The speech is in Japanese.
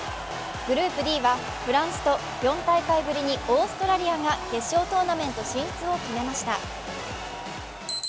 グループＤはフランスと４大会ぶりにオーストラリアが決勝トーナメント進出を決めました。